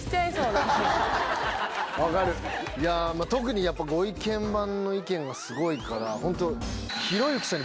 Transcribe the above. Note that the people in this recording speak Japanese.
特にやっぱご意見番の意見がすごいからホント。